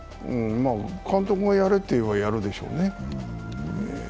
まぁ、監督がやれと言えば、やるでしょうね。